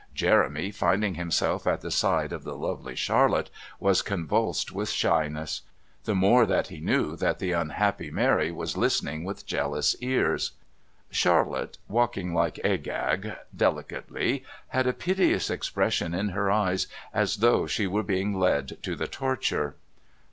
Jeremy, finding himself at the side of the lovely Charlotte, was convulsed with shyness, the more that he knew that the unhappy Mary was listening with jealous ears. Charlotte, walking like Agag, "delicately," had a piteous expression in her eyes as though she were being led to the torture.